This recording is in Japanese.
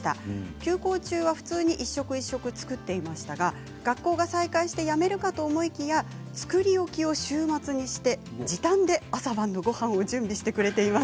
休校中は普通に一食一食作っていましたが学校が再開してやめるかと思いきや、作り置きを週末にして時短で朝晩のごはんを準備してくれています。